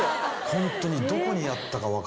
ホントに。